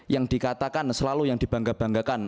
yang dikatakan selalu yang dibangga banggakan